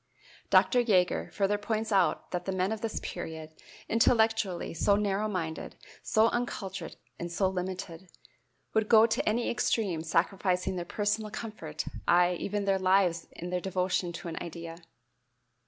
Dr. Jaeger further points out that the men of this period, intellectually so narrow minded, so uncultured and so limited, would go to any extreme, sacrificing their personal comfort, aye, even their lives in their devotion to an idea.